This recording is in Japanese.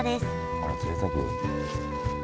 あらぜいたく。